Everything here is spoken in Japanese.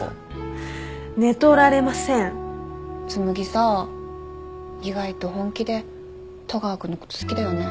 紬さ意外と本気で戸川君のこと好きだよね。